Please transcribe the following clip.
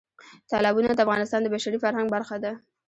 تالابونه د افغانستان د بشري فرهنګ برخه ده.